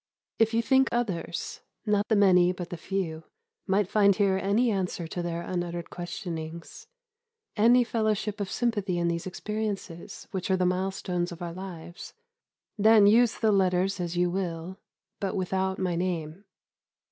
If you think others, not the many but the few, might find here any answer to their unuttered questionings, any fellowship of sympathy in those experiences which are the milestones of our lives, then use the letters as you will, but without my name.